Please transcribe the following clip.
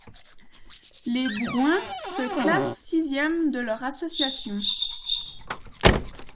Les Bruins se classent sixièmes de leur association.